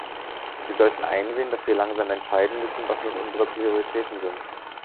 Wir sollten einsehen, dass wir langsam entscheiden müssen, was nun unsere Prioritäten sind.